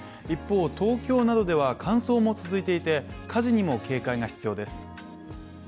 一方、東京などでは乾燥も続いていて火事にも警戒が必要です。